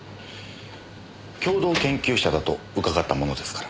共同研究者だと伺ったものですから。